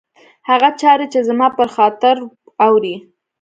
هغه چاري چي زما پر خاطر اوري